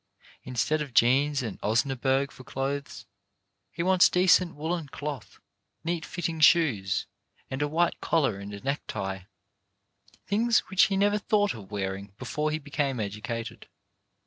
Instead of jeans and osnaburg for clothes, he wants decent woollen cloth, neat fitting shoes, and a white collar and a necktie, things which he never thought of wearing before he became educated.